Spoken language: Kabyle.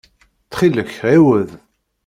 Ttxil-k ɛiwed.